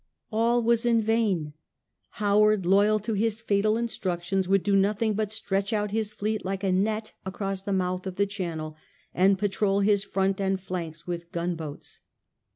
All was in vain. Howard, loyal to his fatal instruc tions, would do nothing but stretch out his fleet like a net across the mouth of the Channel, and patrol his front and flanks with gunboats.